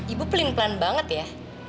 ibu pelin pelan banget ya